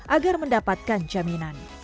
agar mendapatkan jaminan